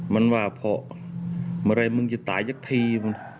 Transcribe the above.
มันว่าพอวันไหร่มึงจะตายจากที